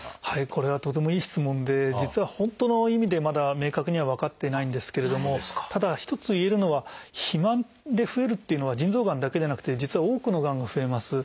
これはとてもいい質問で実は本当の意味でまだ明確には分かってないんですけれどもただ一ついえるのは肥満で増えるというのは腎臓がんだけじゃなくて実は多くのがんが増えます。